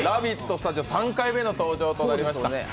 スタジオ３回目の登場となりました。